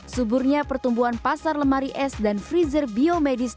suburnya pertumbuhan pasar lemari es dan freezer biomedis